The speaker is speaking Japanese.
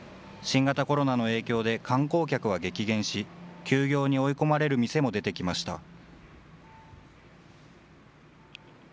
新型コロナの影響で観光客は激減し、休業に追い込まれる店も出てきました。